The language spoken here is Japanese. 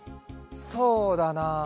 そうだな。